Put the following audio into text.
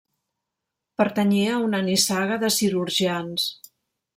Pertanyia a una nissaga de cirurgians.